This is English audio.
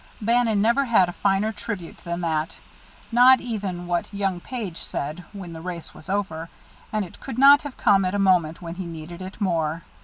Bannon never had a finer tribute than that, not even what young Page said when the race was over; and it could not have come at a moment when he needed it more.